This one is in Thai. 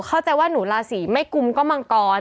เข้าใจว่าหนูราศีไม่กุมก็มังกร